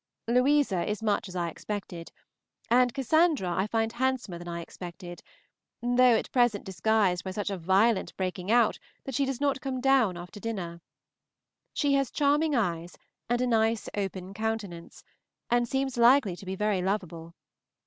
Louisa is much as I expected, and Cassandra I find handsomer than I expected, though at present disguised by such a violent breaking out that she does not come down after dinner. She has charming eyes and a nice open countenance, and seems likely to be very lovable.